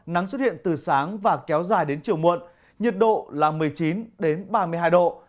nắng xuất hiện từ sáng và kéo dài đến chiều muộn nhiệt độ là một mươi chín ba mươi hai độ